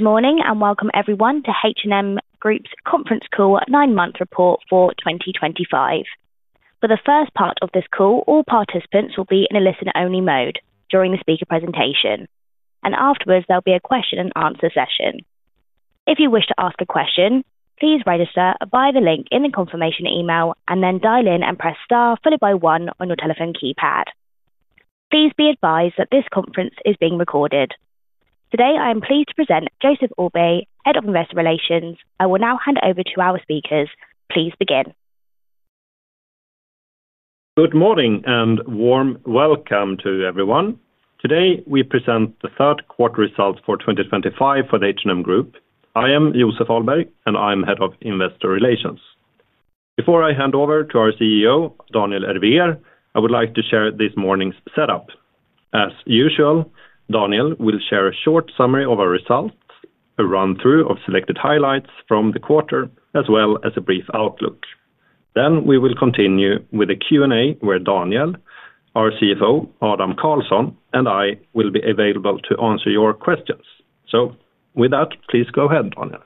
Morning and welcome everyone to H&M Group Conference Call Nine-Month Report for 2025. For the first part of this call, all participants will be in a listener-only mode during the speaker presentation, and afterwards, there'll be a question and answer session. If you wish to ask a question, please register via the link in the confirmation email and then dial in and press star followed by one on your telephone keypad. Please be advised that this conference is being recorded. Today, I am pleased to present Joseph Ahlberg, Head of Investor Relations. I will now hand over to our speakers. Please begin. Good morning and warm welcome to everyone. Today, we present the third quarter results for 2025 for the H&M Group. I am Joseph Ahlberg, and I'm Head of Investor Relations. Before I hand over to our CEO, Daniel Ervér, I would like to share this morning's setup. As usual, Daniel will share a short summary of our results, a run-through of selected highlights from the quarter, as well as a brief outlook. We will continue with a Q&A where Daniel, our CFO, Adam Karlsson, and I will be available to answer your questions. With that, please go ahead, Daniel.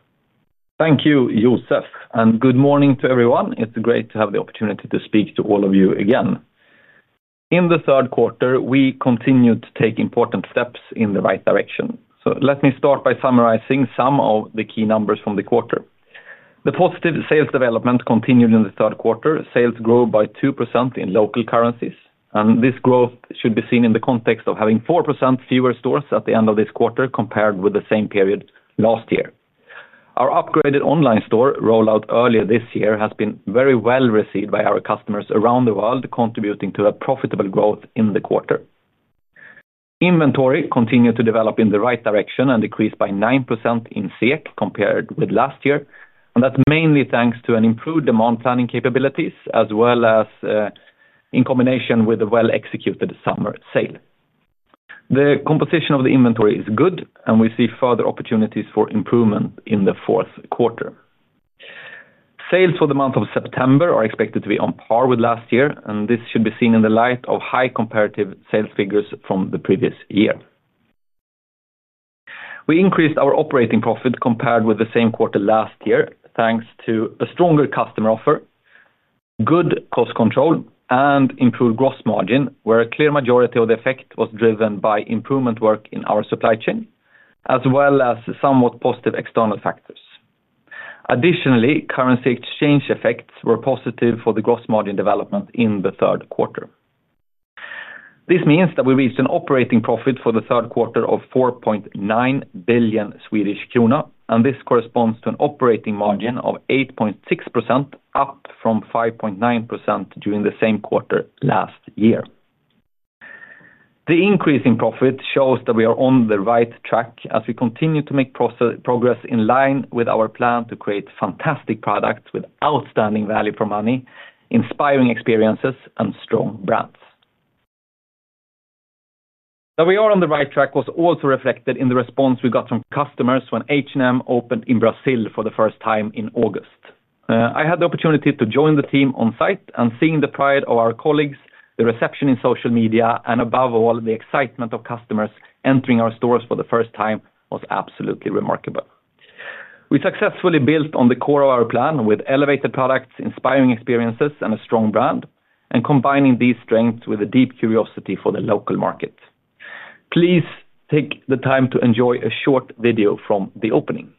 Thank you, Joseph, and good morning to everyone. It's great to have the opportunity to speak to all of you again. In the third quarter, we continued to take important steps in the right direction. Let me start by summarizing some of the key numbers from the quarter. The positive sales development continued in the third quarter. Sales grew by 2% in local currencies, and this growth should be seen in the context of having 4% fewer stores at the end of this quarter compared with the same period last year. Our upgraded online store rollout earlier this year has been very well received by our customers around the world, contributing to a profitable growth in the quarter. Inventory continued to develop in the right direction and decreased by 9% in sale compared with last year, and that's mainly thanks to an improved demand planning capability, as well as in combination with a well-executed summer sale. The composition of the inventory is good, and we see further opportunities for improvement in the fourth quarter. Sales for the month of September are expected to be on par with last year, and this should be seen in the light of high comparative sales figures from the previous year. We increased our operating profit compared with the same quarter last year, thanks to a stronger customer offer, good cost control, and improved gross margin, where a clear majority of the effect was driven by improvement work in our supply chain, as well as somewhat positive external factors. Additionally, currency exchange effects were positive for the gross margin development in the third quarter. This means that we reached an operating profit for the third quarter of 4.9 billion Swedish krona, and this corresponds to an operating margin of 8.6%, up from 5.9% during the same quarter last year. The increase in profit shows that we are on the right track as we continue to make progress in line with our plan to create fantastic products with outstanding value-for-money, inspiring experiences, and strong brands. That we are on the right track was also reflected in the response we got from customers when H&M opened in Brazil for the first time in August. I had the opportunity to join the team on site, and seeing the pride of our colleagues, the reception in social media, and above all, the excitement of customers entering our stores for the first time was absolutely remarkable. We successfully built on the core of our plan with elevated products, inspiring experiences, and a strong brand, combining these strengths with a deep curiosity for the local market. Please take the time to enjoy a short video from the opening.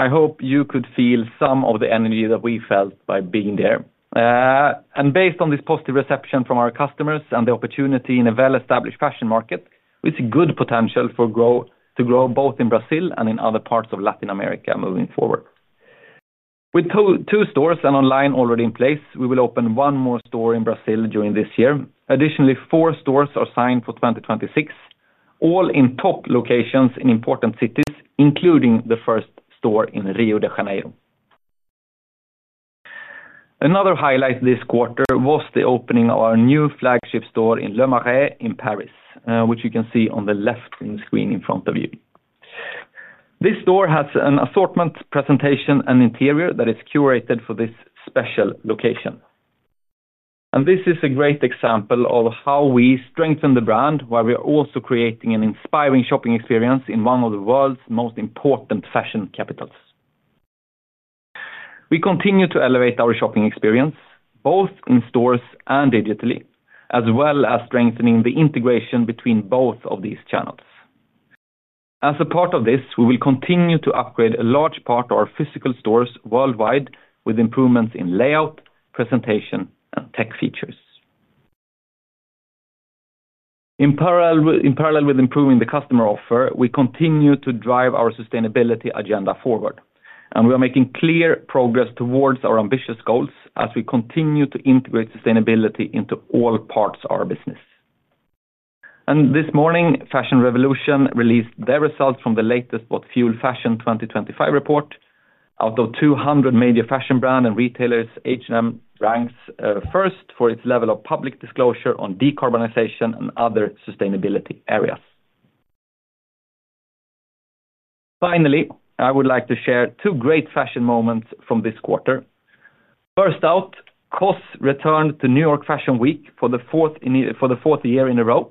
I hope you could feel some of the energy that we felt by being there. Based on this positive reception from our customers and the opportunity in a well-established fashion market, we see good potential for growth to grow both in Brazil and in other parts of Latin America moving forward. With two stores and online already in place, we will open one more store in Brazil during this year. Additionally, four stores are signed for 2026, all in top locations in important cities, including the first store in Rio de Janeiro. Another highlight this quarter was the opening of our new flagship store in Le Marais in Paris, which you can see on the left screen in front of you. This store has an assortment presentation and interior that is curated for this special location. This is a great example of how we strengthen the brand while we are also creating an inspiring shopping experience in one of the world's most important fashion capitals. We continue to elevate our shopping experience, both in stores and digitally, as well as strengthening the integration between both of these channels. As a part of this, we will continue to upgrade a large part of our physical stores worldwide with improvements in layout, presentation, and tech features. In parallel with improving the customer offer, we continue to drive our sustainability agenda forward, and we are making clear progress towards our ambitious goals as we continue to integrate sustainability into all parts of our business. This morning, Fashion Revolution released their results from the latest What Fuels Fashion 2025 report. Of the 200 major fashion brands and retailers, H&M ranks first for its level of public disclosure on decarbonization and other sustainability areas. Finally, I would like to share two great fashion moments from this quarter. First out, COS returned to New York Fashion Week for the fourth year in a row,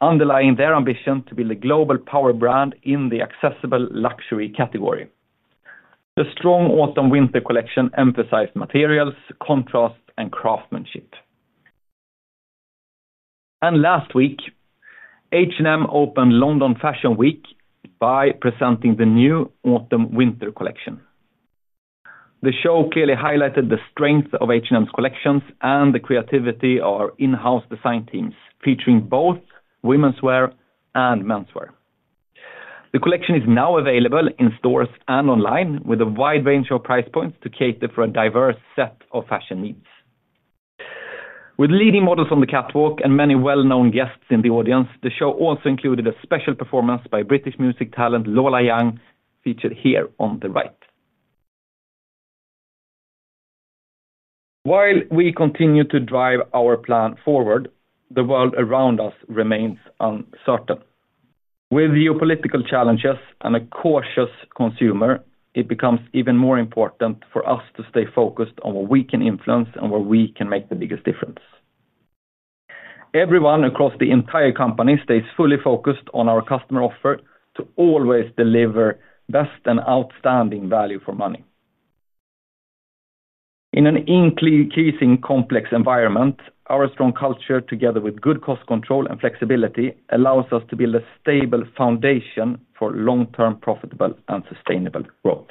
underlining their ambition to be the global power brand in the accessible luxury category. The strong autumn-winter collection emphasized materials, contrast, and craftsmanship. Last week, H&M opened London Fashion Week by presenting the new autumn-winter collection. The show clearly highlighted the strength of H&M collections and the creativity of our in-house design teams, featuring both women's wear and menswear. The collection is now available in stores and online, with a wide range of price points to cater for a diverse set of fashion needs. With leading models on the catwalk and many well-known guests in the audience, the show also included a special performance by British music talent Lola Young, featured here on the right. While we continue to drive our plan forward, the world around us remains uncertain. With geopolitical challenges and a cautious consumer, it becomes even more important for us to stay focused on what we can influence and where we can make the biggest difference. Everyone across the entire company stays fully focused on our customer offer to always deliver best and outstanding value-for-money. In an increasingly complex environment, our strong culture, together with good cost control and flexibility, allows us to build a stable foundation for long-term profitable and sustainable growth.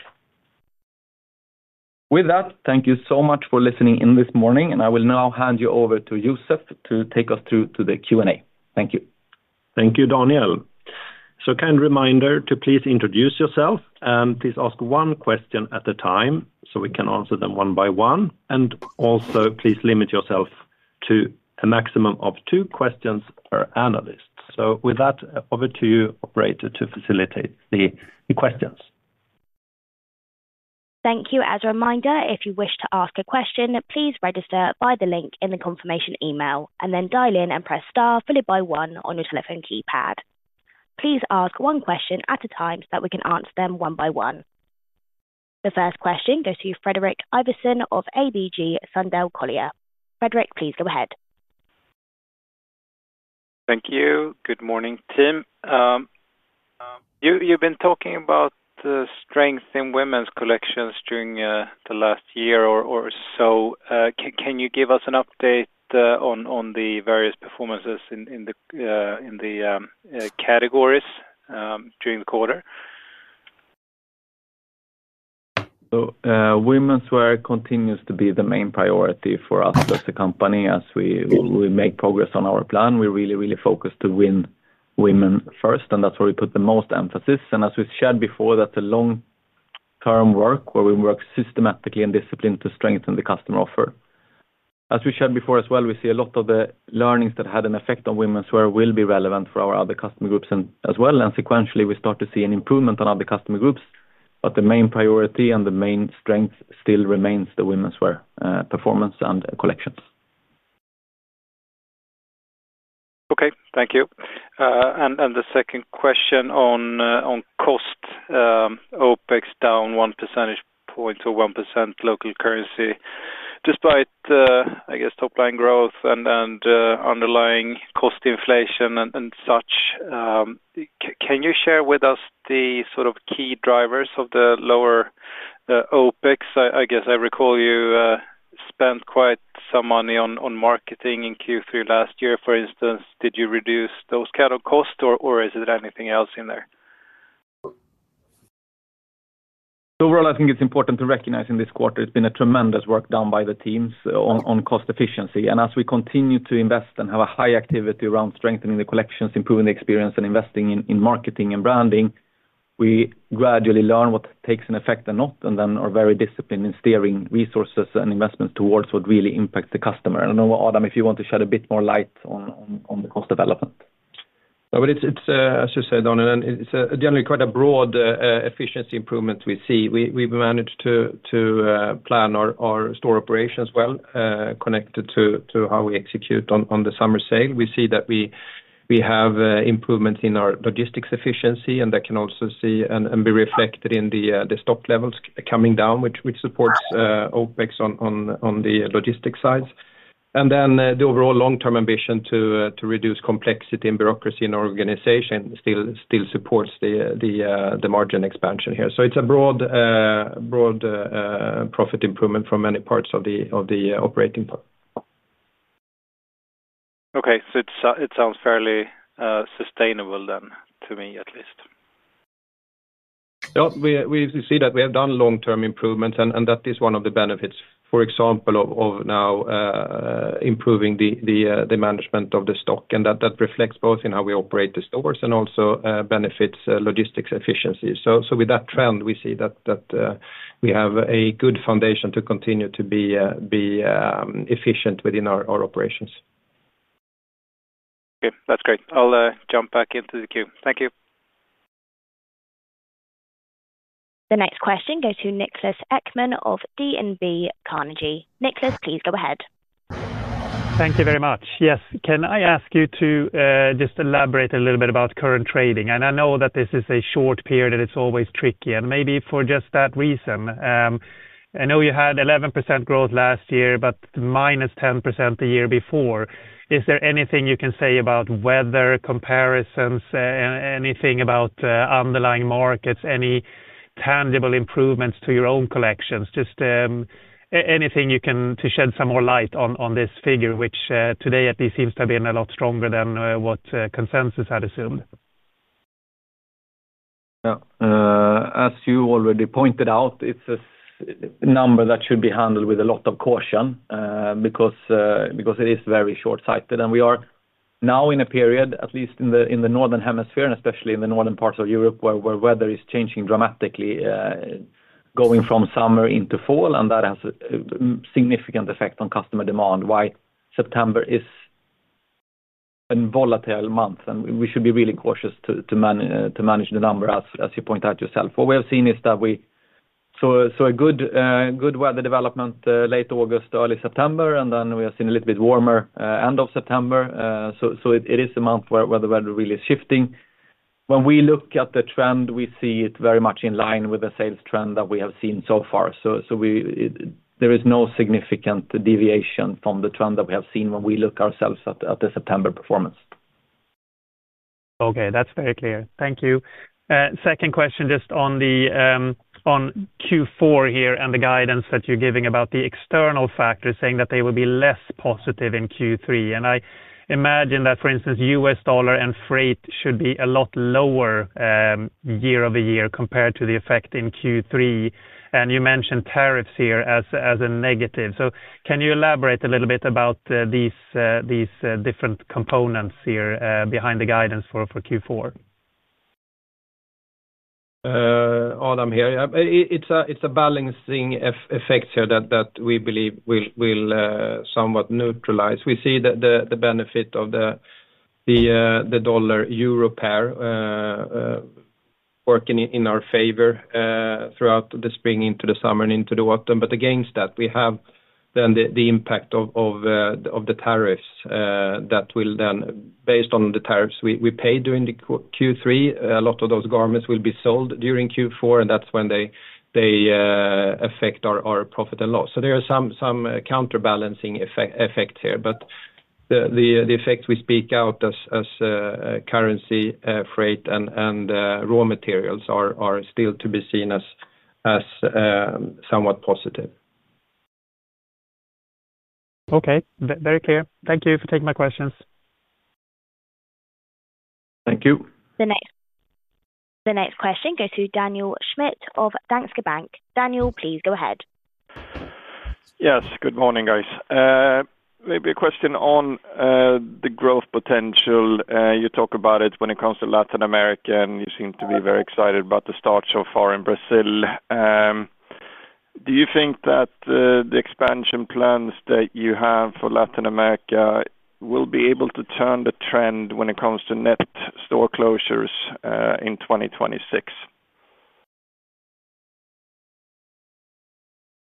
With that, thank you so much for listening in this morning, and I will now hand you over to Joseph Ahlberg to take us through to the Q&A. Thank you. Thank you, Daniel. A kind reminder to please introduce yourself and please ask one question at a time so we can answer them one by one. Also, please limit yourself to a maximum of two questions per analyst. With that, over to you, operator, to facilitate the questions. Thank you. As a reminder, if you wish to ask a question, please register via the link in the confirmation email and then dial in and press star followed by one on your telephone keypad. Please ask one question at a time so that we can answer them one by one. The first question goes to Frederick Iverson of ABG Sundal Collier. Frederic, please go ahead. Thank you. Good morning, Tim. You've been talking about the strength in women's collections during the last year or so. Can you give us an update on the various performances in the categories during the quarter? Women's wear continues to be the main priority for us as a company. As we make progress on our plan, we're really, really focused to win women first, and that's where we put the most emphasis. As we shared before, that's a long-term work where we work systematically and disciplined to strengthen the customer offer. As we shared before as well, we see a lot of the learnings that had an effect on women's wear will be relevant for our other customer groups as well. Sequentially, we start to see an improvement on other customer groups, but the main priority and the main strength still remains the women's wear performance and collections. Thank you. The second question on cost, OpEx down 1% in local currency, despite top line growth and underlying cost inflation and such. Can you share with us the sort of key drivers of the lower OpEx? I recall you spent quite some money on marketing in Q3 last year, for instance. Did you reduce those kind of costs, or is there anything else in there? Overall, I think it's important to recognize in this quarter it's been a tremendous work done by the teams on cost efficiency. As we continue to invest and have a high activity around strengthening the collections, improving the experience, and investing in marketing and branding, we gradually learn what takes an effect and not, and are very disciplined in steering resources and investment towards what really impacts the customer. I don't know, Adam, if you want to shed a bit more light on the cost development. As you said, Daniel, it's generally quite a broad efficiency improvement we see. We've managed to plan our store operations well, connected to how we execute on the summer sale. We see that we have improvements in our logistics efficiency, and that can also be reflected in the stock levels coming down, which supports OpEx on the logistics sides. The overall long-term ambition to reduce complexity and bureaucracy in our organization still supports the margin expansion here. It's a broad profit improvement for many parts of the operating part. Okay, it sounds fairly sustainable then, to me at least. We see that we have done long-term improvements, and that is one of the benefits, for example, of now improving the management of the stock. That reflects both in how we operate the stores and also benefits logistics efficiency. With that trend, we see that we have a good foundation to continue to be efficient within our operations. Okay, that's great. I'll jump back into the queue. Thank you. The next question goes to Niklas Ekman of DNB Carnegie. Niklas, please go ahead. Thank you very much. Yes, can I ask you to just elaborate a little bit about current trading? I know that this is a short period and it's always tricky, maybe for just that reason. I know you had 11% growth last year, but -10% the year before. Is there anything you can say about weather, comparisons, anything about underlying markets, any tangible improvements to your own collections? Anything you can shed some more light on this figure, which today at least seems to have been a lot stronger than what consensus had assumed. Yeah, as you already pointed out, it's a number that should be handled with a lot of caution because it is very short-sighted. We are now in a period, at least in the northern hemisphere, and especially in the northern parts of Europe, where weather is changing dramatically, going from summer into fall, and that has a significant effect on customer demand. September is a volatile month, and we should be really cautious to manage the number, as you pointed out yourself. What we have seen is that we saw a good weather development late August, early September, and then we have seen a little bit warmer end of September. It is a month where the weather really is shifting. When we look at the trend, we see it very much in line with the sales trend that we have seen so far. There is no significant deviation from the trend that we have seen when we look ourselves at the September performance. Okay, that's very clear. Thank you. Second question, just on the Q4 here and the guidance that you're giving about the external factors, saying that they will be less positive in Q3. I imagine that, for instance, U.S. dollar and freight should be a lot lower year-over-year compared to the effect in Q3. You mentioned tariffs here as a negative. Can you elaborate a little bit about these different components here behind the guidance for Q4? Adam here. It's a balancing effect here that we believe will somewhat neutralize. We see the benefit of the dollar euro pair working in our favor throughout the spring, into the summer, and into the autumn. Against that, we have the impact of the tariffs that will then, based on the tariffs we pay during Q3, a lot of those garments will be sold during Q4, and that's when they affect our profit and loss. There are some counterbalancing effects here, but the effects we speak out as currency, freight, and raw materials are still to be seen as somewhat positive. Okay, very clear. Thank you for taking my questions. Thank you. The next question goes to Daniel Schmidt of Danske Bank. Daniel, please go ahead. Yes, good morning, guys. Maybe a question on the growth potential. You talk about it when it comes to Latin America, and you seem to be very excited about the start so far in Brazil. Do you think that the expansion plans that you have for Latin America will be able to turn the trend when it comes to net store closures in 2026?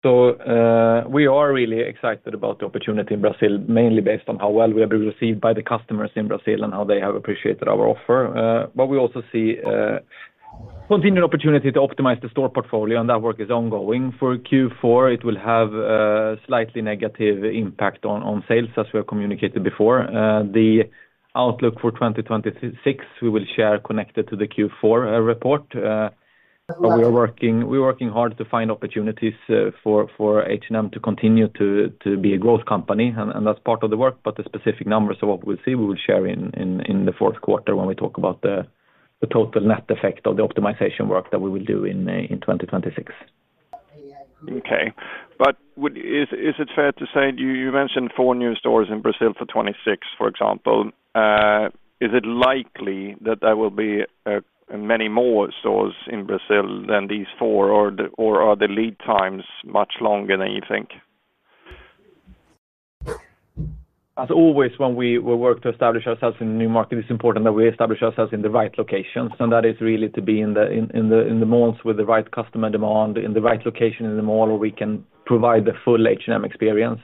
We are really excited about the opportunity in Brazil, mainly based on how well we have been received by the customers in Brazil and how they have appreciated our offer. We also see continued opportunity to optimize the store portfolio, and that work is ongoing. For Q4, it will have a slightly negative impact on sales, as we have communicated before. The outlook for 2026, we will share connected to the Q4 report. We are working hard to find opportunities for H&M to continue to be a growth company, and that's part of the work. The specific numbers of what we will see, we will share in the fourth quarter when we talk about the total net effect of the optimization work that we will do in 2026. Okay, is it fair to say, you mentioned four new stores in Brazil for 2026, for example, is it likely that there will be many more stores in Brazil than these four, or are the lead times much longer than you think? As always, when we work to establish ourselves in a new market, it's important that we establish ourselves in the right locations, and that is really to be in the malls with the right customer demand, in the right location in the mall where we can provide the full H&M experience.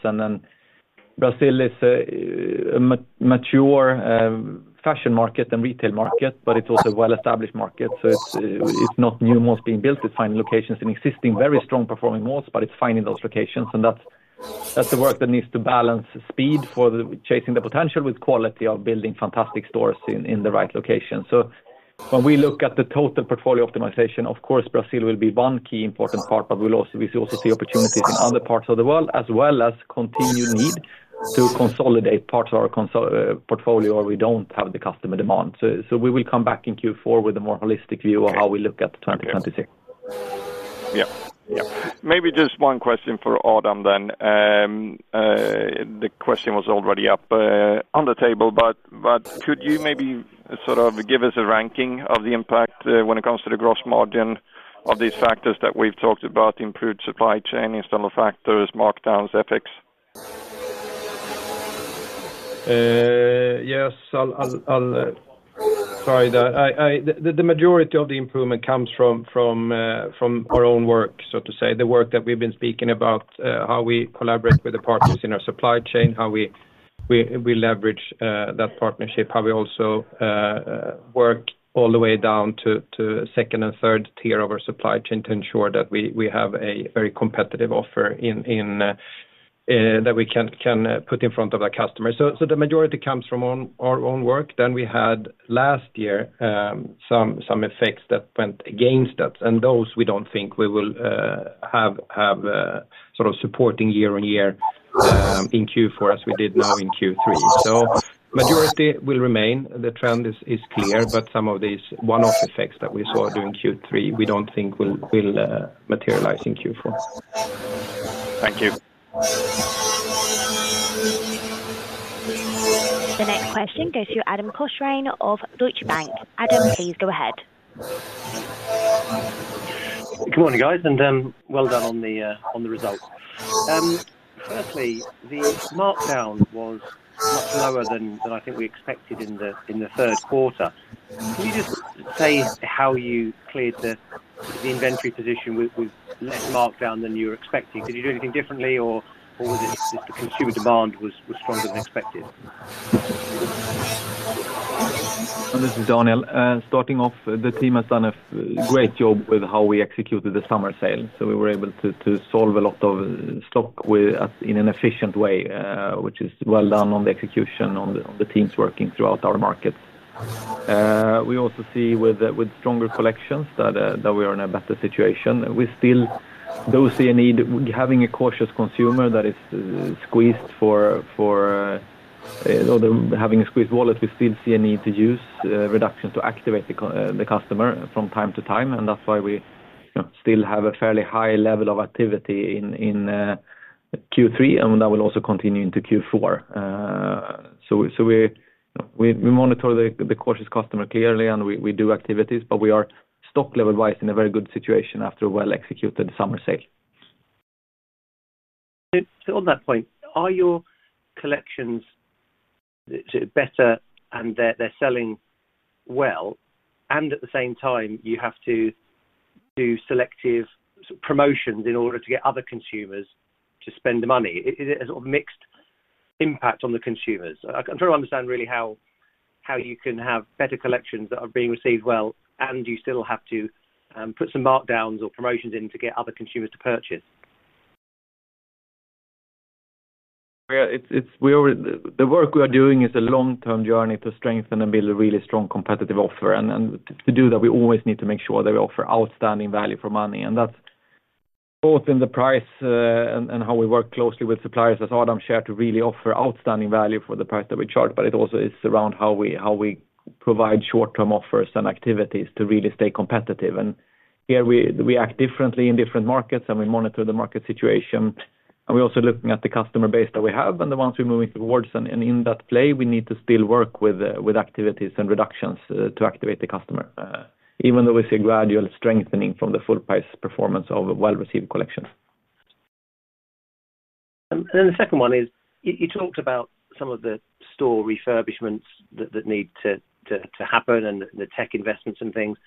Brazil is a mature fashion market and retail market, but it's also a well-established market. It's not new malls being built. It's finding locations in existing, very strong performing malls, but it's finding those locations. That's the work that needs to balance speed for chasing the potential with quality of building fantastic stores in the right location. When we look at the total portfolio optimization, of course, Brazil will be one key important part, but we will also see opportunities in other parts of the world, as well as continued need to consolidate parts of our portfolio where we don't have the customer demand. We will come back in Q4 with a more holistic view of how we look at 2026. Yeah, yeah. Maybe just one question for Adam then. The question was already up on the table, but could you maybe sort of give us a ranking of the impact when it comes to the gross margin of these factors that we've talked about, improved supply chain, external factors, markdowns, FX? Yes, I'll try that. The majority of the improvement comes from our own work, so to say, the work that we've been speaking about, how we collaborate with the partners in our supply chain, how we leverage that partnership, how we also work all the way down to the second and third tier of our supply chain to ensure that we have a very competitive offer that we can put in front of our customers. The majority comes from our own work. Last year we had some effects that went against that, and those we don't think we will have supporting year on year in Q4 as we did now in Q3. The majority will remain. The trend is clear, but some of these one-off effects that we saw during Q3, we don't think will materialize in Q4. Thank you. The next question goes to Adam Russ of Deutsche Bank. Adam, please go ahead. Good morning, guys, and well done on the results. Firstly, the markdown was much lower than I think we expected in the third quarter. Can you just say how you cleared the inventory position with less markdown than you were expecting? Did you do anything differently, or was it the consumer demand was stronger than expected? This is Daniel. Starting off, the team has done a great job with how we executed the summer sale. We were able to solve a lot of stock in an efficient way, which is well done on the execution and the teams working throughout our market. We also see with stronger collections that we are in a better situation. We still do see a need, having a cautious consumer that is squeezed for having a squeezed wallet. We still see a need to use reductions to activate the customer from time to time, and that's why we still have a fairly high level of activity in Q3, and that will also continue into Q4. We monitor the cautious customer clearly, and we do activities, but we are stock level-wise in a very good situation after a well-executed summer sale. On that point, are your collections better and they're selling well, and at the same time, you have to do selective promotions in order to get other consumers to spend the money? Is it a sort of mixed impact on the consumers? I'm trying to understand really how you can have better collections that are being received well, and you still have to put some markdowns or promotions in to get other consumers to purchase. Yeah, the work we are doing is a long-term journey to strengthen and build a really strong competitive offer. To do that, we always need to make sure that we offer outstanding value-for-money. That's both in the price and how we work closely with suppliers, as Adam Russ shared, to really offer outstanding value for the price that we charge. It also is around how we provide short-term offers and activities to really stay competitive. Here we act differently in different markets, and we monitor the market situation. We're also looking at the customer base that we have and the ones we're moving towards. In that play, we need to still work with activities and reductions to activate the customer, even though we see a gradual strengthening from the full price performance of well-received collections. The second one is you talked about some of the store refurbishments that need to happen and the tech investments and things.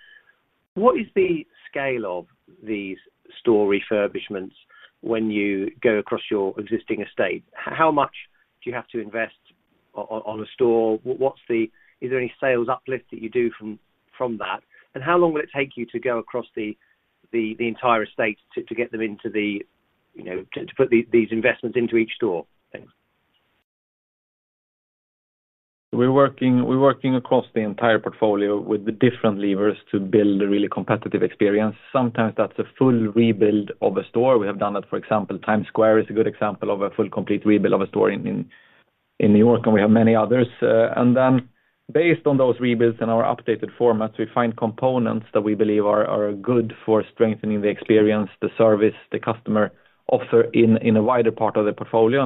What is the scale of these store refurbishments when you go across your existing estate? How much do you have to invest on a store? Is there any sales uplift that you do from that? How long will it take you to go across the entire estate to get them into the, you know, to put these investments into each store? We're working across the entire portfolio with different levers to build a really competitive experience. Sometimes that's a full rebuild of a store. We have done that, for example, Times Square is a good example of a full complete rebuild of a store in New York, and we have many others. Based on those rebuilds and our updated formats, we find components that we believe are good for strengthening the experience, the service, the customer offer in a wider part of the portfolio.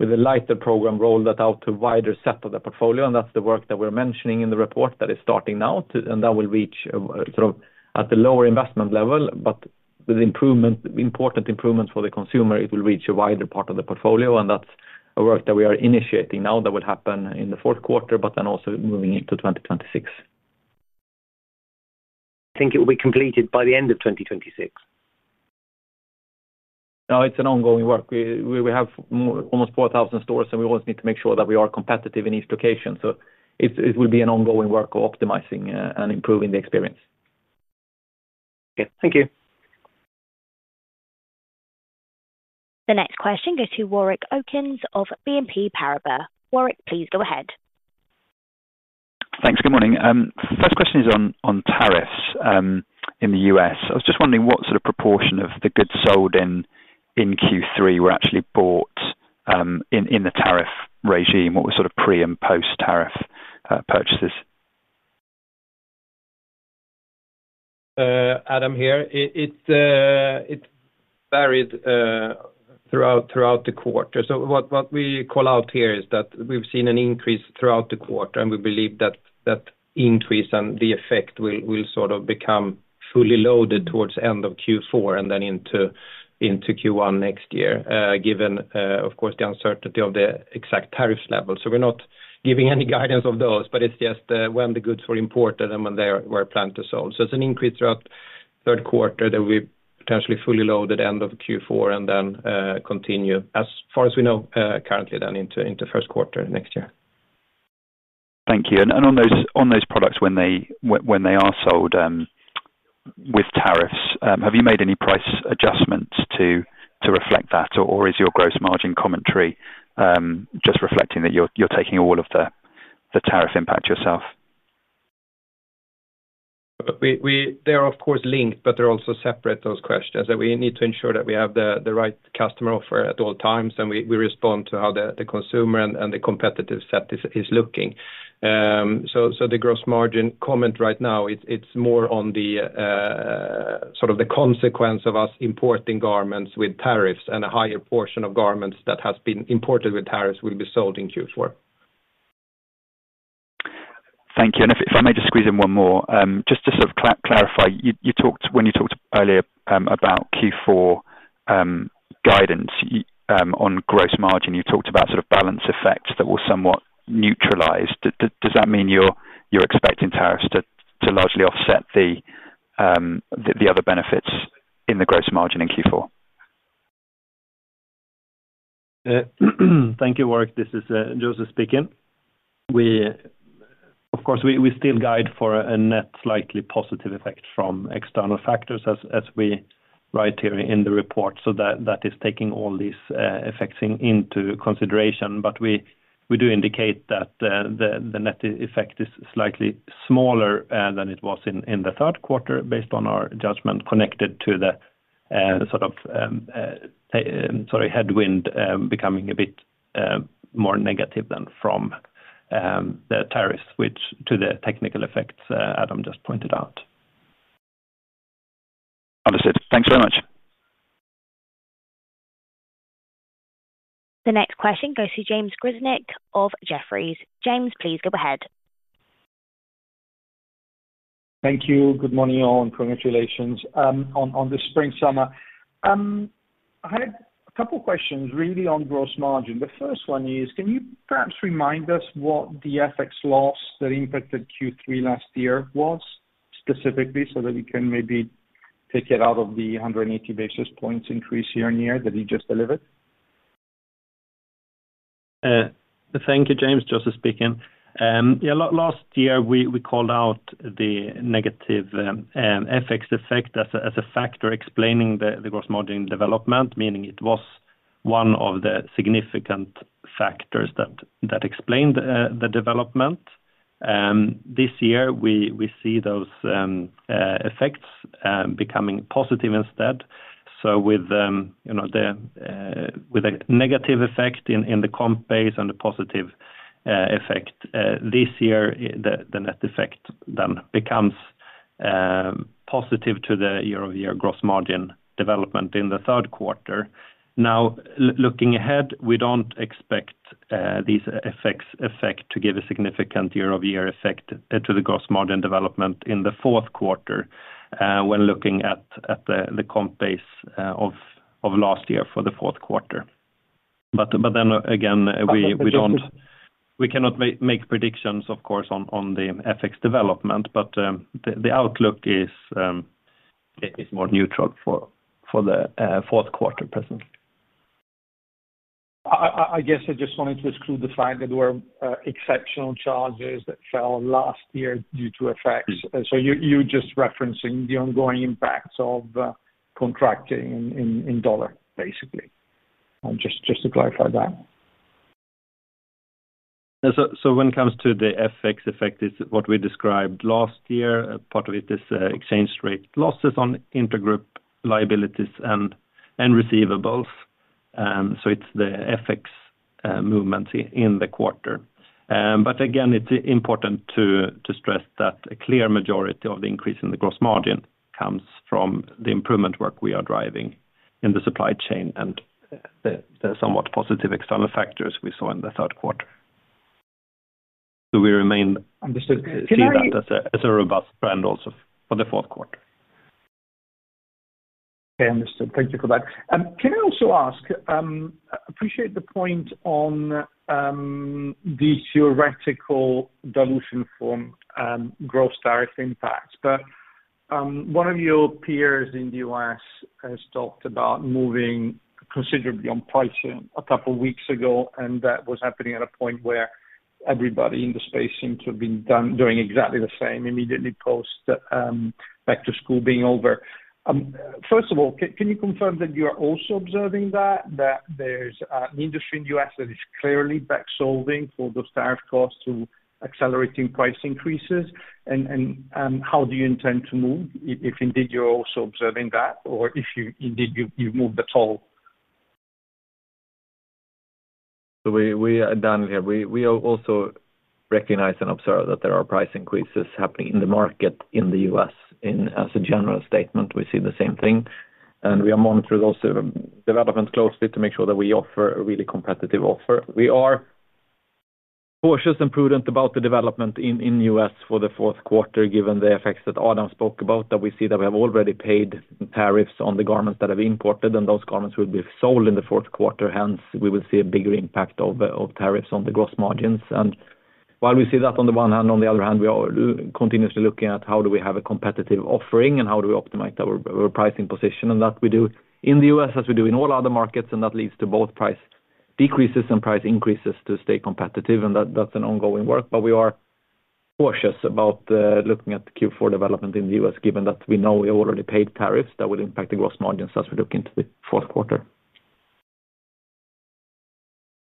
With a lighter program, we roll that out to a wider set of the portfolio. That's the work that we're mentioning in the report that is starting now. That will reach sort of at the lower investment level, but with important improvements for the consumer, it will reach a wider part of the portfolio. That's a work that we are initiating now that will happen in the fourth quarter, but also moving into 2026. I think it will be completed by the end of 2026. No, it's an ongoing work. We have almost 4,000 stores, and we always need to make sure that we are competitive in each location. It will be an ongoing work of optimizing and improving the experience. Okay, thank you. The next question goes to Warwick Okines of BNP Paribas. Warrick, please go ahead. Thanks. Good morning. First question is on tariffs in the U.S. I was just wondering what sort of proportion of the goods sold in Q3 were actually bought in the tariff regime. What were sort of pre and post-tariff purchases? Adam here. It varied throughout the quarter. What we call out here is that we've seen an increase throughout the quarter, and we believe that increase and the effect will sort of become fully loaded towards the end of Q4 and then into Q1 next year, given, of course, the uncertainty of the exact tariff level. We're not giving any guidance of those, but it's just when the goods were imported and when they were planned to sell. It's an increase throughout the third quarter that we potentially fully load at the end of Q4 and then continue, as far as we know, currently into the first quarter next year. Thank you. On those products, when they are sold with tariffs, have you made any price adjustments to reflect that, or is your gross margin commentary just reflecting that you're taking all of the tariff impact yourself? They're, of course, linked, but they're also separate, those questions. We need to ensure that we have the right customer offer at all times, and we respond to how the consumer and the competitive set is looking. The gross margin comment right now is more on the sort of the consequence of us importing garments with tariffs, and a higher portion of garments that has been imported with tariffs will be sold in Q4. Thank you. If I may just squeeze in one more, just to sort of clarify, when you talked earlier about Q4 guidance on gross margin, you talked about sort of balance effects that were somewhat neutralized. Does that mean you're expecting tariffs to largely offset the other benefits in the gross margin in Q4? Thank you, Warrick. This is Joseph speaking. Of course, we still guide for a net slightly positive effect from external factors, as we write here in the report. That is taking all these effects into consideration. We do indicate that the net effect is slightly smaller than it was in the third quarter, based on our judgment, connected to the headwind becoming a bit more negative than from the tariffs, which to the technical effects Adam just pointed out. Understood. Thanks very much. The next question goes to James Grzinic of Jefferies. James, please go ahead. Thank you. Good morning all and congratulations on the spring summer. I had a couple of questions really on gross margin. The first one is, can you perhaps remind us what the FX loss that impacted Q3 last year was specifically, so that we can maybe take it out of the 180 basis points increase year on year that you just delivered? Thank you, James. Joseph speaking. Last year we called out the negative FX effect as a factor explaining the gross margin development, meaning it was one of the significant factors that explained the development. This year, we see those effects becoming positive instead. With a negative effect in the comp base and a positive effect this year, the net effect then becomes positive to the year-on-year gross margin development in the third quarter. Now, looking ahead, we don't expect these effects to give a significant year-on-year effect to the gross margin development in the fourth quarter when looking at the comp base of last year for the fourth quarter. We cannot make predictions, of course, on the FX development, but the outlook is more neutral for the fourth quarter present. I just wanted to exclude the fact that there were exceptional charges that fell last year due to effects. You're just referencing the ongoing impacts of contracting in dollar, basically, and just to clarify that. When it comes to the FX effect, it's what we described last year. Part of it is exchange rate losses on intergroup liabilities and receivables. It's the FX movements in the quarter. It's important to stress that a clear majority of the increase in the gross margin comes from the improvement work we are driving in the supply chain and the somewhat positive external factors we saw in the third quarter. We remain to see that as a robust trend also for the fourth quarter. Okay, understood. Thank you for that. Can I also ask, I appreciate the point on the theoretical dilution from gross tariff impact, but one of your peers in the U.S. has talked about moving considerably on pricing a couple of weeks ago, and that was happening at a point where everybody in the space seemed to have been doing exactly the same immediately post back to school being over. First of all, can you confirm that you are also observing that there's an industry in the U.S. that is clearly back-solding for those tariff costs to accelerating price increases? How do you intend to move if indeed you're also observing that, or if indeed you've moved at all? We are Daniel here. We also recognize and observe that there are price increases happening in the market in the U.S. As a general statement, we see the same thing, and we are monitoring also development closely to make sure that we offer a really competitive offer. We are cautious and prudent about the development in the U.S. for the fourth quarter, given the effects that Adam spoke about, that we see that we have already paid tariffs on the garments that have been imported, and those garments will be sold in the fourth quarter. Hence, we will see a bigger impact of tariffs on the gross margins. While we see that on the one hand, on the other hand, we are continuously looking at how do we have a competitive offering and how do we optimize our pricing position. That we do in the U.S., as we do in all other markets, and that leads to both price decreases and price increases to stay competitive. That's an ongoing work. We are cautious about looking at the Q4 development in the U.S., given that we know we have already paid tariffs that will impact the gross margins as we look into the fourth quarter.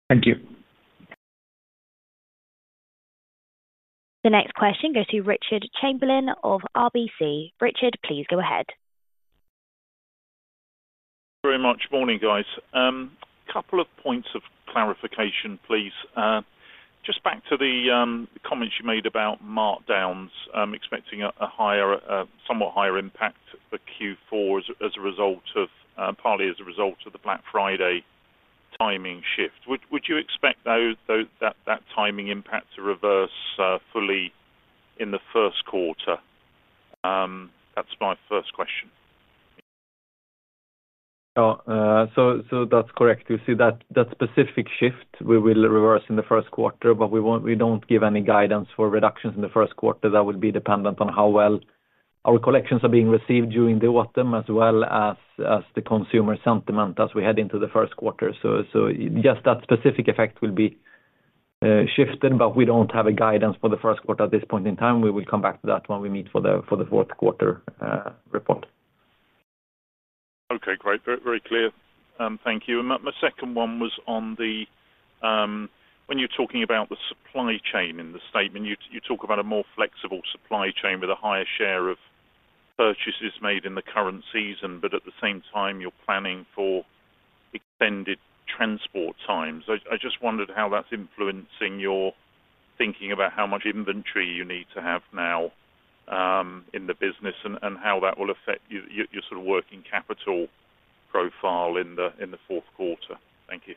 Thank you. The next question goes to Richard Chamberlain of RBC. Richard, please go ahead. very much. Morning, guys. A couple of points of clarification, please. Just back to the comments you made about markdowns, expecting a somewhat higher impact for Q4, partly as a result of the Black Friday timing shift. Would you expect that timing impact to reverse fully in the first quarter? That's my first question. That’s correct. You see that specific shift we will reverse in the first quarter, but we don't give any guidance for reductions in the first quarter. That would be dependent on how well our collections are being received during the autumn, as well as the consumer sentiment as we head into the first quarter. Just that specific effect will be shifted, but we don't have a guidance for the first quarter at this point in time. We will come back to that when we meet for the fourth quarter report. Okay, great. Very clear. Thank you. My second one was on the when you're talking about the supply chain in the statement, you talk about a more flexible supply chain with a higher share of purchases made in the current season, but at the same time, you're planning for extended transport times. I just wondered how that's influencing your thinking about how much inventory you need to have now in the business and how that will affect your sort of working capital profile in the fourth quarter. Thank you.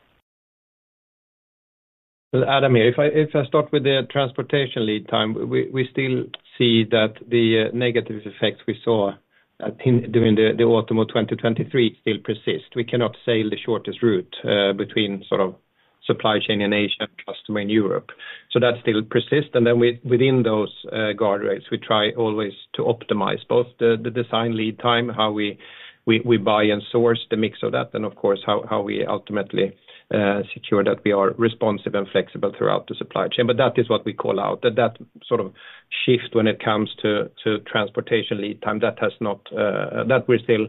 Adam here. If I start with the transportation lead time, we still see that the negative effects we saw during the autumn of 2023 still persist. We cannot sail the shortest route between sort of supply chain in Asia and customer in Europe. That still persists. Within those guardrails, we try always to optimize both the design lead time, how we buy and source the mix of that, and of course, how we ultimately secure that we are responsive and flexible throughout the supply chain. That is what we call out. That sort of shift when it comes to transportation lead time has not, that we're still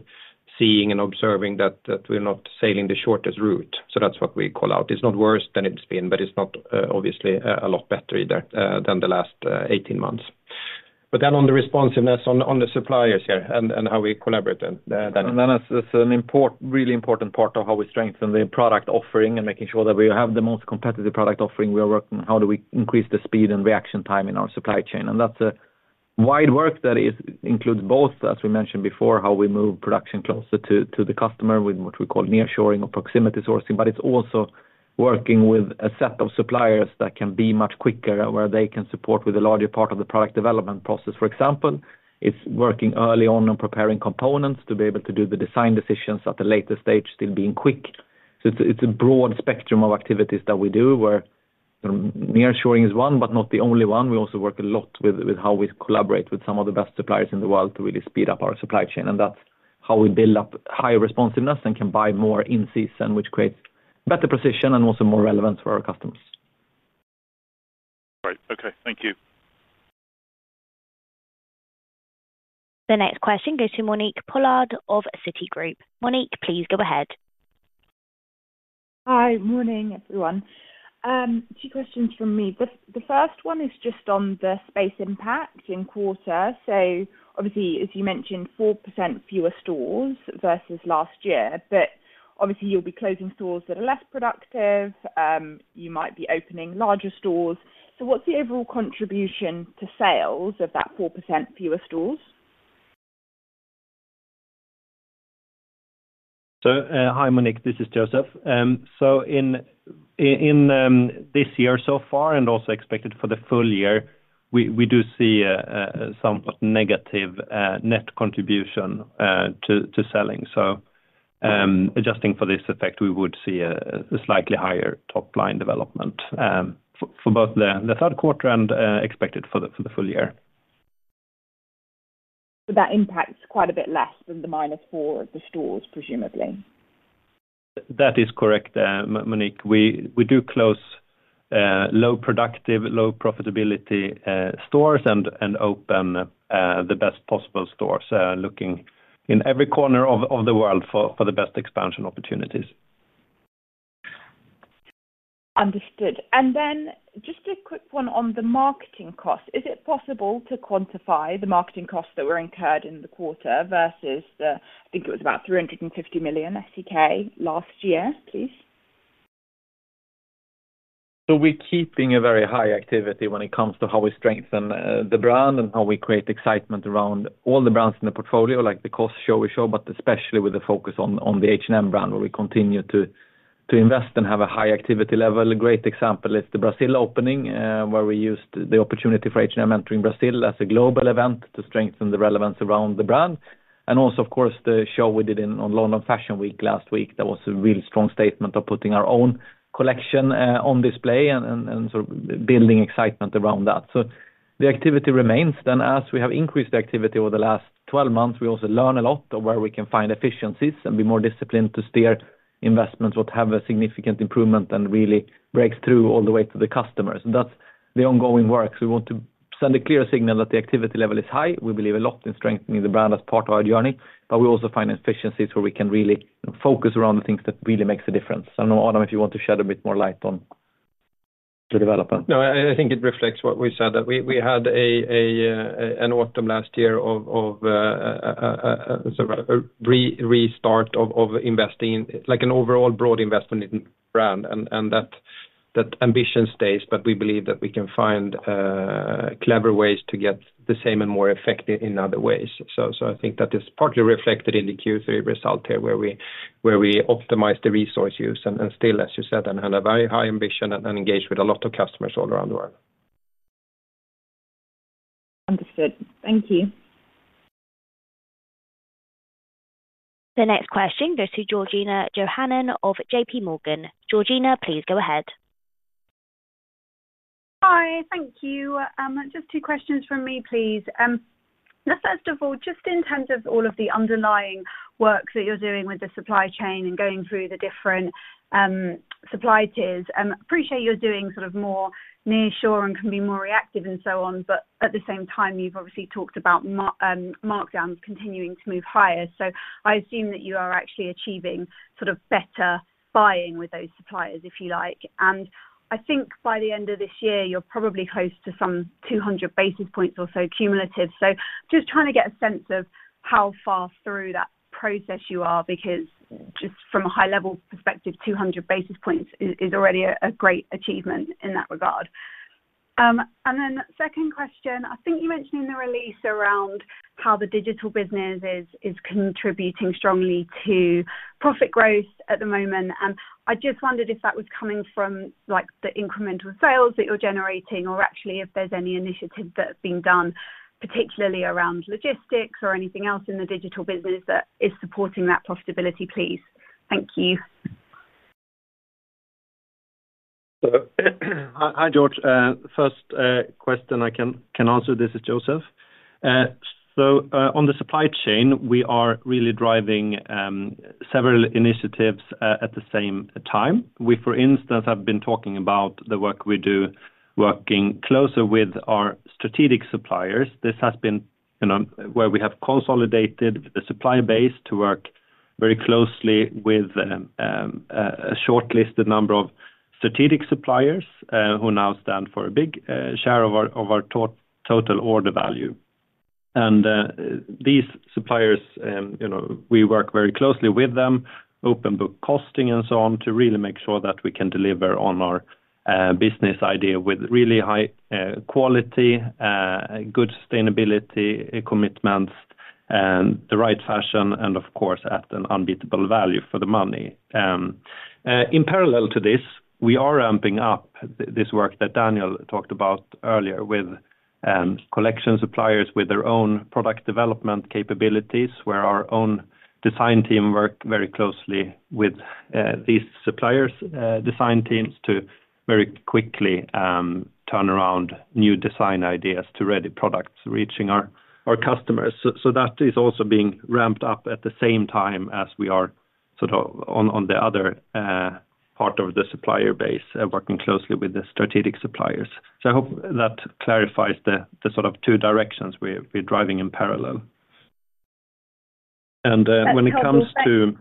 seeing and observing that we're not sailing the shortest route. That's what we call out. It's not worse than it's been, but it's not obviously a lot better either than the last 18 months. On the responsiveness on the suppliers here and how we collaborate, as a really important part of how we strengthen the product offering and making sure that we have the most competitive product offering, we are working on how do we increase the speed and reaction time in our supply chain. That's a wide work that includes both, as we mentioned before, how we move production closer to the customer with what we call nearshoring or proximity sourcing, but it's also working with a set of suppliers that can be much quicker and where they can support with a larger part of the product development process. For example, it's working early on and preparing components to be able to do the design decisions at the latest stage, still being quick. It's a broad spectrum of activities that we do where nearshoring is one, but not the only one. We also work a lot with how we collaborate with some of the best suppliers in the world to really speed up our supply chain. That's how we build up higher responsiveness and can buy more in season, which creates better precision and also more relevance for our customers. Right. Okay, thank you. The next question goes to Monique Pollard of Citi Group. Monique, please go ahead. Hi, morning everyone. Two questions from me. The first one is just on the space impact in quarter. Obviously, as you mentioned, 4% fewer stores versus last year, but you'll be closing stores that are less productive. You might be opening larger stores. What's the overall contribution to sales of that 4% fewer stores? Hi, Monique. This is Joseph. In this year so far, and also expected for the full year, we do see a somewhat negative net contribution to selling. Adjusting for this effect, we would see a slightly higher top line development for both the third quarter and expected for the full year. That impacts quite a bit less than the minus 4% of the stores, presumably. That is correct, Monique. We do close low productive, low profitability stores and open the best possible stores, looking in every corner of the world for the best expansion opportunities. Understood. Just a quick one on the marketing cost. Is it possible to quantify the marketing costs that were incurred in the quarter versus the, I think it was about 350 million SEK last year, please? We're keeping a very high activity when it comes to how we strengthen the brand and how we create excitement around all the brands in the portfolio, like the COS show we show, but especially with the focus on the H&M brand, where we continue to invest and have a high activity level. A great example is the Brazil opening, where we used the opportunity for H&M entering Brazil as a global event to strengthen the relevance around the brand. Of course, the show we did on London Fashion Week last week was a real strong statement of putting our own collection on display and building excitement around that. The activity remains. As we have increased the activity over the last 12 months, we also learn a lot of where we can find efficiencies and be more disciplined to steer investments, what have a significant improvement and really break through all the way to the customers. That's the ongoing work. We want to send a clear signal that the activity level is high. We believe a lot in strengthening the brand as part of our journey, but we also find efficiencies where we can really focus around the things that really make a difference. I don't know, Adam, if you want to shed a bit more light on the development. No, I think it reflects what we said, that we had an autumn last year of a restart of investing, like an overall broad investment in the brand. That ambition stays, but we believe that we can find clever ways to get the same and more effective in other ways. I think that is partly reflected in the Q3 result here, where we optimize the resource use and still, as you said, had a very high ambition and engaged with a lot of customers all around the world. Understood. Thank you. The next question goes to Georgina Johanan of J.P. Morgan. Georgina, please go ahead. Hi, thank you. Just two questions from me, please. First of all, just in terms of all of the underlying work that you're doing with the supply chain and going through the different supply tiers, I appreciate you're doing more nearshoring and can be more reactive and so on, but at the same time, you've obviously talked about markdowns continuing to move higher. I assume that you are actually achieving better buying with those suppliers, if you like. I think by the end of this year, you're probably close to some 200 basis points or so cumulative. I'm just trying to get a sense of how far through that process you are, because just from a high-level perspective, 200 basis points is already a great achievement in that regard. My second question, I think you mentioned in the release around how the digital business is contributing strongly to profit growth at the moment. I just wondered if that was coming from the incremental sales that you're generating, or if there's any initiative that's being done, particularly around logistics or anything else in the digital business that is supporting that profitability, please. Thank you. Hi, George. First question I can answer, this is Joseph. On the supply chain, we are really driving several initiatives at the same time. We, for instance, have been talking about the work we do working closer with our strategic suppliers. This has been where we have consolidated the supply base to work very closely with a shortlisted number of strategic suppliers who now stand for a big share of our total order value. These suppliers, we work very closely with them, open book costing and so on, to really make sure that we can deliver on our business idea with really high quality, good sustainability commitments, the right fashion, and of course, at an unbeatable value-for-money. In parallel to this, we are ramping up this work that Daniel talked about earlier with collection suppliers with their own product development capabilities, where our own design team works very closely with these suppliers' design teams to very quickly turn around new design ideas to ready products reaching our customers. That is also being ramped up at the same time as we are on the other part of the supplier base and working closely with the strategic suppliers. I hope that clarifies the two directions we're driving in parallel. When it comes to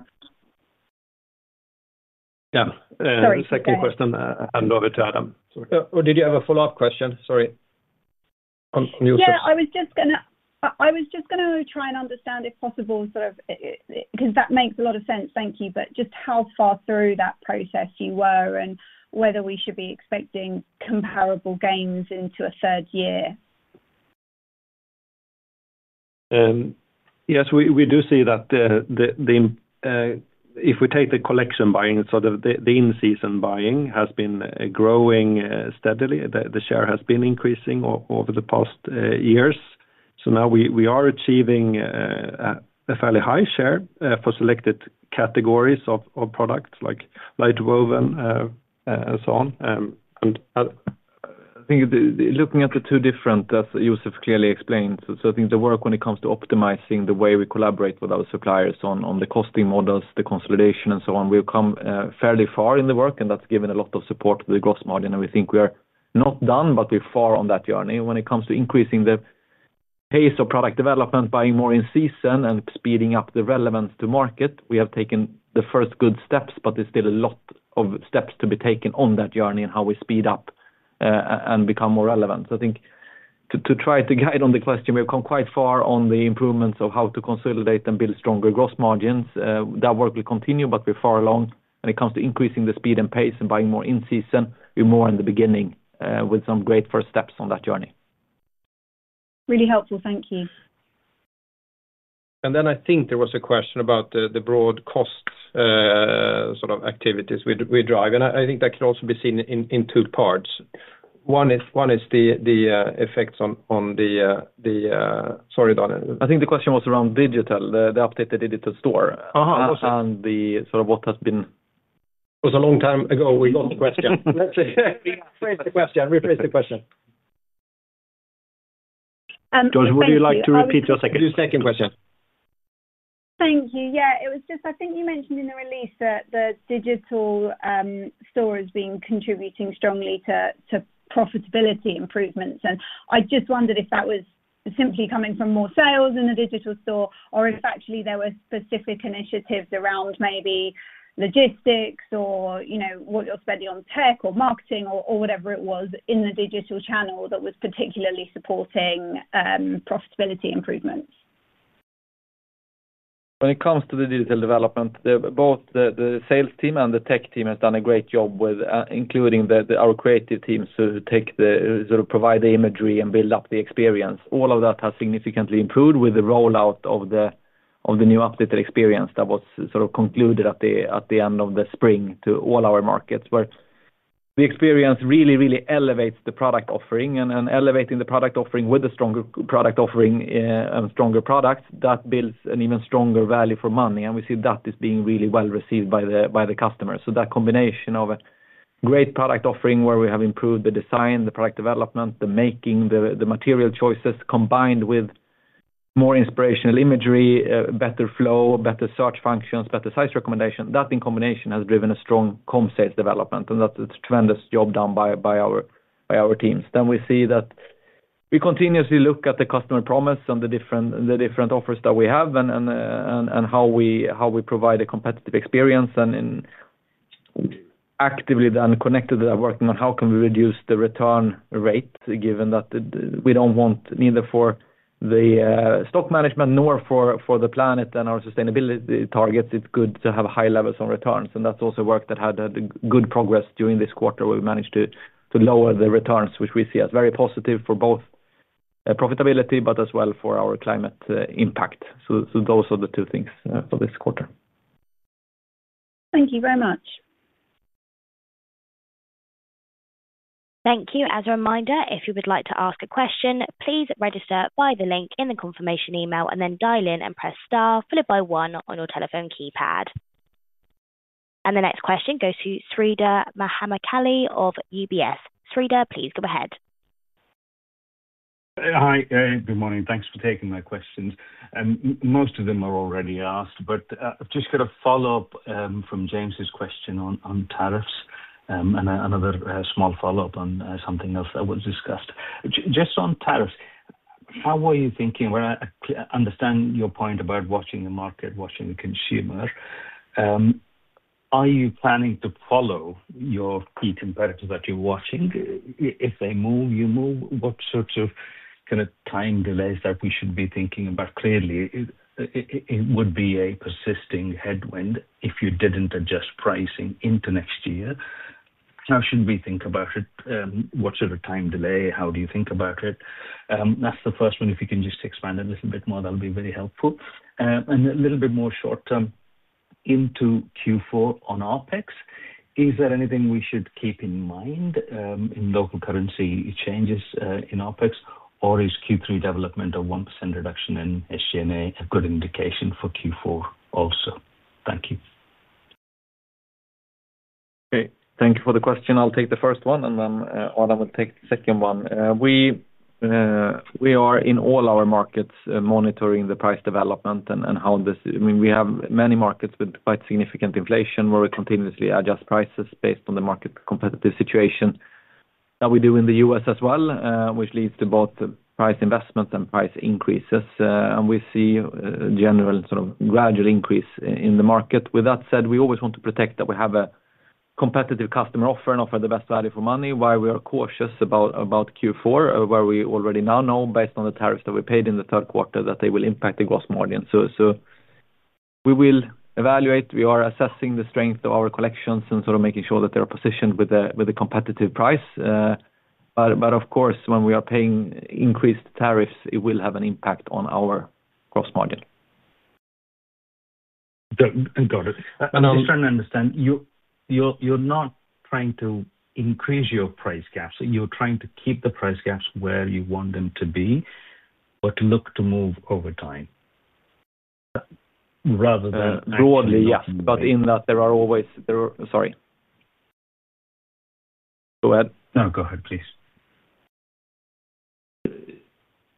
the second question, I hand over to Adam. Or did you have a follow-up question? Sorry. I was just going to try and understand if possible, sort of, because that makes a lot of sense. Thank you. Just how far through that process you were and whether we should be expecting comparable gains into a third year? Yes, we do see that if we take the collection buying, it's sort of the in-season buying has been growing steadily. The share has been increasing over the past years. Now we are achieving a fairly high share for selected categories of products like light woven and so on. I think looking at the two different, as Joseph clearly explained, the work when it comes to optimizing the way we collaborate with our suppliers on the costing models, the consolidation, and so on, we've come fairly far in the work, and that's given a lot of support to the gross margin. We think we are not done, but we're far on that journey. When it comes to increasing the pace of product development, buying more in season, and speeding up the relevance to market, we have taken the first good steps, but there's still a lot of steps to be taken on that journey and how we speed up and become more relevant. I think to try to guide on the question, we've come quite far on the improvements of how to consolidate and build stronger gross margins. That work will continue, but we're far along when it comes to increasing the speed and pace and buying more in season. We're more in the beginning with some great first steps on that journey. Really helpful. Thank you. I think there was a question about the broad cost sort of activities we drive, and I think that can also be seen in two parts. One is the effects on the, sorry, Dan. I think the question was around digital, the updated digital store, and what has been... It was a long time ago. We lost the question. Let's say, yeah, phrase the question. Rephrase the question. Would you like to repeat your second question? Thank you. I think you mentioned in the release that the digital store has been contributing strongly to profitability improvements. I just wondered if that was simply coming from more sales in the digital store or if there were specific initiatives around maybe logistics or what you're spending on tech or marketing or whatever it was in the digital channel that was particularly supporting profitability improvements. When it comes to the digital development, both the sales team and the tech team have done a great job with including our creative teams who provide the imagery and build up the experience. All of that has significantly improved with the rollout of the new updated experience that was concluded at the end of the spring to all our markets, where the experience really, really elevates the product offering and elevates the product offering with a stronger product offering and stronger product that builds an even stronger value-for-money proposition. We see that is being really well received by the customers. That combination of a great product offering where we have improved the design, the product development, the making, the material choices combined with more inspirational imagery, better flow, better search functions, better size recommendation, that in combination has driven a strong comms sales development and that's a tremendous job done by our teams. We see that we continuously look at the customer promise and the different offers that we have and how we provide a competitive experience and actively then connected to that working on how can we reduce the return rate given that we don't want neither for the stock management nor for the planet and our sustainability targets. It's not good to have high levels on returns. That's also work that had good progress during this quarter where we managed to lower the returns, which we see as very positive for both profitability but as well for our climate impact. Those are the two things for this quarter. Thank you very much. Thank you. As a reminder, if you would like to ask a question, please register via the link in the confirmation email, then dial in and press star followed by one on your telephone keypad. The next question goes to Sreedhar Mahamkali of UBS. Sreedhar, please go ahead. Hi, good morning. Thanks for taking my questions. Most of them are already asked, but I've just got a follow-up from James's question on tariffs and another small follow-up on something else that was discussed. On tariffs, how are you thinking? I understand your point about watching the market, watching the consumer. Are you planning to follow your key competitors that you're watching? If they move, you move. What sorts of kind of time delays should we be thinking about? Clearly, it would be a persisting headwind if you didn't adjust pricing into next year. How should we think about it? What sort of time delay? How do you think about it? That's the first one. If you can just expand a little bit more, that'll be very helpful. A little bit more short term, into Q4 on OpEx. Is there anything we should keep in mind in local currency changes in OpEx, or is Q3 development of 1% reduction in SG&A a good indication for Q4 also? Thank you. Okay, thank you for the question. I'll take the first one, and then Adam will take the second one. We are in all our markets monitoring the price development and how this, I mean, we have many markets with quite significant inflation where we continuously adjust prices based on the market competitive situation. Now we do in the U.S. as well, which leads to both price investments and price increases. We see a general sort of gradual increase in the market. With that said, we always want to protect that we have a competitive customer offer and offer the best value for money, why we are cautious about Q4, where we already now know based on the tariffs that we paid in the third quarter that they will impact the gross margin. We will evaluate, we are assessing the strength of our collections and sort of making sure that they're positioned with a competitive price. Of course, when we are paying increased tariffs, it will have an impact on our gross margin. I'm just trying to understand, you're not trying to increase your price gaps. You're trying to keep the price gaps where you want them to be, but look to move over time. Yes, but in that there are always, there are, sorry. Go ahead. No, go ahead, please.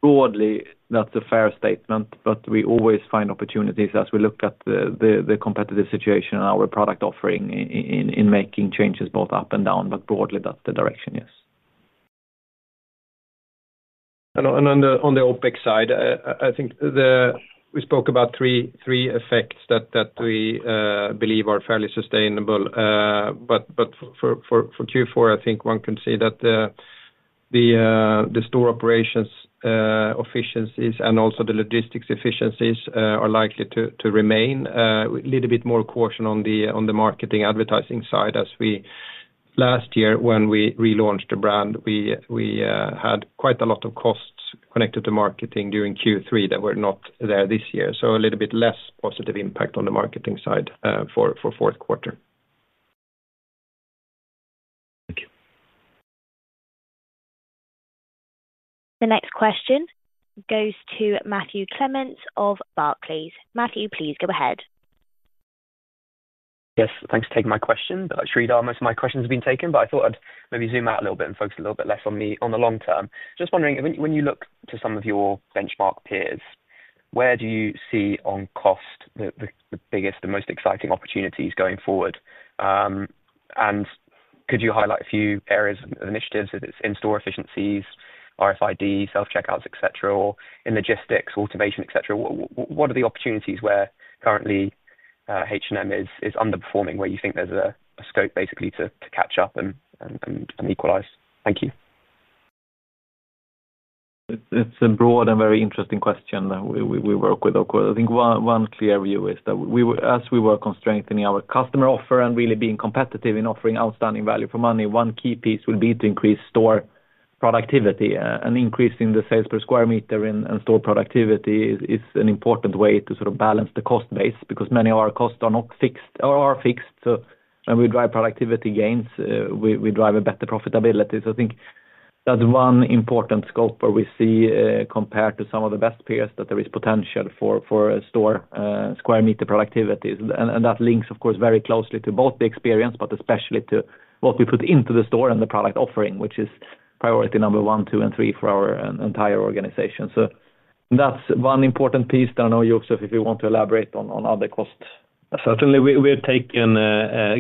Broadly, that's a fair statement, but we always find opportunities as we look at the competitive situation and our product offering in making changes both up and down. Broadly, that's the direction, yes. On the OpEx side, I think we spoke about three effects that we believe are fairly sustainable. For Q4, I think one can see that the store operations efficiencies and also the logistics efficiencies are likely to remain. A little bit more caution on the marketing advertising side as we, last year when we relaunched the brand, we had quite a lot of costs connected to marketing during Q3 that were not there this year. A little bit less positive impact on the marketing side for the fourth quarter. The next question goes to Matthew Clements of Barclays. Matthew, please go ahead. Yes, thanks for taking my question. Sreedhar, most of my questions have been taken, but I thought I'd maybe zoom out a little bit and focus a little bit less on the long term. Just wondering, when you look to some of your benchmark peers, where do you see on cost the biggest, the most exciting opportunities going forward? Could you highlight a few areas of initiatives? If it's in-store efficiencies, RFID, self-checkouts, etc., or in logistics, automation, etc.? What are the opportunities where currently H&M is underperforming, where you think there's a scope basically to catch up and equalize? Thank you. It's a broad and very interesting question that we work with. Of course, I think one clear view is that as we work on strengthening our customer offer and really being competitive in offering outstanding value-for-money, one key piece would be to increase store productivity. An increase in the sales per square meter and store productivity is an important way to balance the cost base because many of our costs are fixed or are not fixed. When we drive productivity gains, we drive better profitability. I think that's one important scope where we see compared to some of the best peers that there is potential for store square meter productivity. That links, of course, very closely to both the experience, but especially to what we put into the store and the product offering, which is priority number one, two, and three for our entire organization. That's one important piece that I know you, Joseph, if you want to elaborate on other costs. Certainly, we've taken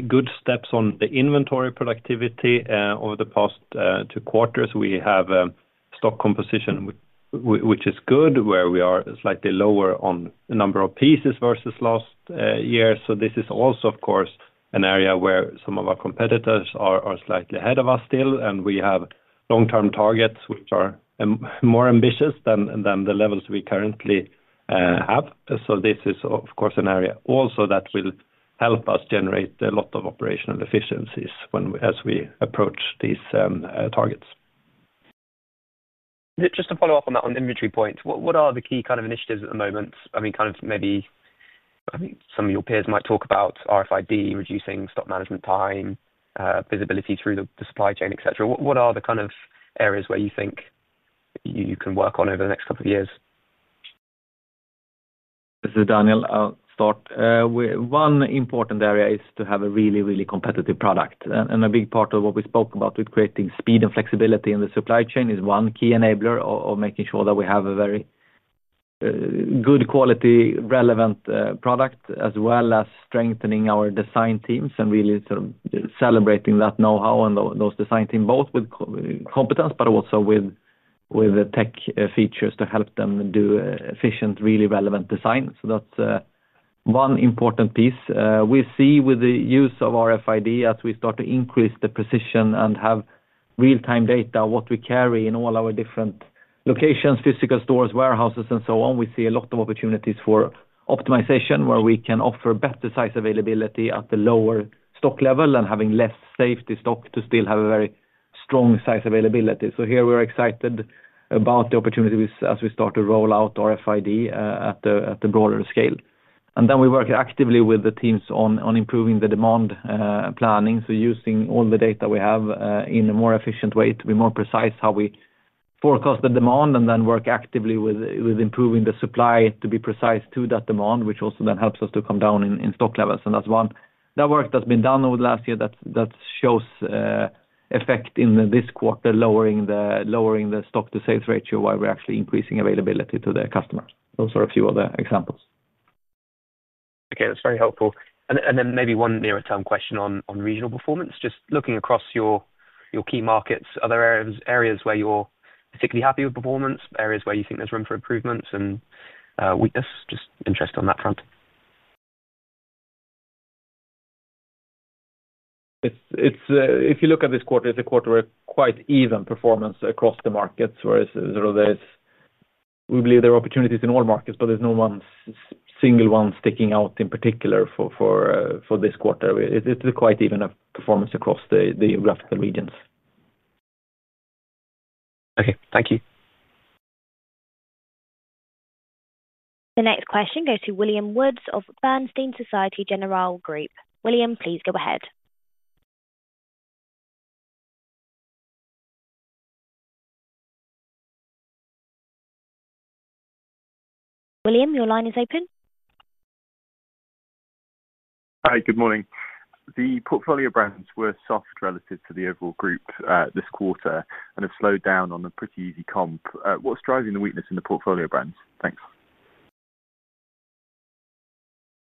good steps on the inventory productivity over the past two quarters. We have a stock composition which is good, where we are slightly lower on the number of pieces versus last year. This is also, of course, an area where some of our competitors are slightly ahead of us still, and we have long-term targets which are more ambitious than the levels we currently have. This is, of course, an area also that will help us generate a lot of operational efficiencies as we approach these targets. Just to follow up on that, on the inventory point, what are the key kind of initiatives at the moment? I mean, maybe I think some of your peers might talk about RFID, reducing stock management time, visibility through the supply chain, etc. What are the kind of areas where you think you can work on over the next couple of years? This is Daniel. I'll start. One important area is to have a really, really competitive product. A big part of what we spoke about with creating speed and flexibility in the supply chain is one key enabler of making sure that we have a very good quality, relevant product, as well as strengthening our design teams and really sort of celebrating that know-how and those design teams, both with competence, but also with the tech features to help them do efficient, really relevant design. That's one important piece. We see with the use of RFID, as we start to increase the precision and have real-time data of what we carry in all our different locations, physical stores, warehouses, and so on, we see a lot of opportunities for optimization where we can offer better size availability at the lower stock level and having less safety stock to still have a very strong size availability. We are excited about the opportunities as we start to roll out RFID at a broader scale. We work actively with the teams on improving the demand planning. Using all the data we have in a more efficient way to be more precise, how we forecast the demand, and then work actively with improving the supply to be precise to that demand, which also then helps us to come down in stock levels. That's one work that's been done over the last year that shows effect in this quarter, lowering the stock-to-sales ratio while we're actually increasing availability to the customer. Those are a few of the examples. Okay, that's very helpful. Maybe one nearer term question on regional performance. Just looking across your key markets, are there areas where you're particularly happy with performance, areas where you think there's room for improvements and weakness? Just interest on that front. If you look at this quarter, it's a quarter of quite even performance across the markets. We believe there are opportunities in all markets, but there's no one single one sticking out in particular for this quarter. It's quite even performance across the geographical regions. Okay, thank you. The next question goes to William Woods of AB Bernstein. William, please go ahead. William, your line is open. Hi, good morning. The portfolio brands were soft relative to the overall group this quarter and have slowed down on a pretty easy comp. What's driving the weakness in the portfolio brands? Thanks.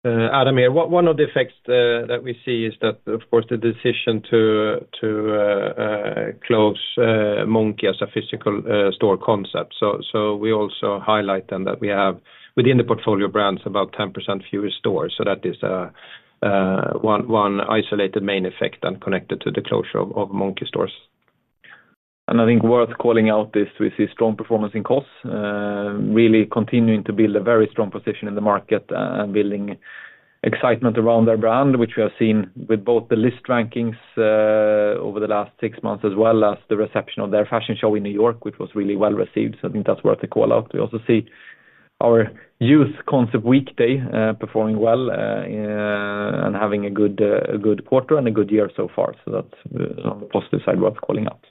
Adam here. One of the effects that we see is that, of course, the decision to close Monki as a physical store concept. We also highlight that we have within the portfolio brands about 10% fewer stores. That is one isolated main effect and connected to the closure of Monki stores. I think worth calling out is we see strong performance in COS, really continuing to build a very strong position in the market and building excitement around their brand, which we have seen with both the list rankings over the last six months, as well as the reception of their fashion show in New York, which was really well received. I think that's worth a call out. We also see our youth concept Weekday performing well and having a good quarter and a good year so far. That's on the positive side worth calling out.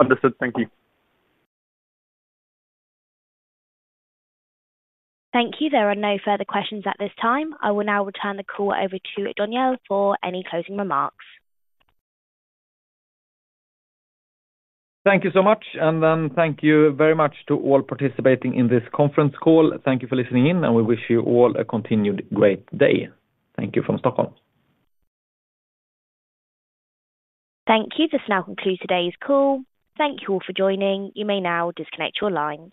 Understood. Thank you. Thank you. There are no further questions at this time. I will now return the call over to Daniel for any closing remarks. Thank you so much. Thank you very much to all participating in this conference call. Thank you for listening in, and we wish you all a continued great day. Thank you from Stockholm. Thank you. This now concludes today's call. Thank you all for joining. You may now disconnect your line.